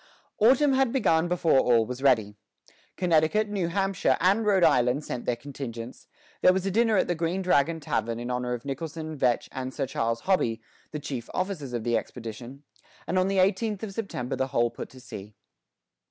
Autumn had begun before all was ready. Connecticut, New Hampshire, and Rhode Island sent their contingents; there was a dinner at the Green Dragon Tavern in honor of Nicholson, Vetch, and Sir Charles Hobby, the chief officers of the expedition; and on the eighteenth of September the whole put to sea.